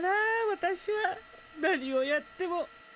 私は何をやっても。